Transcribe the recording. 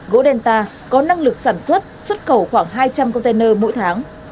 gỗ delta có năng lực sản xuất xuất khẩu khoảng hai trăm linh container mỗi tháng